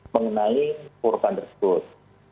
mengenai kurban tersebut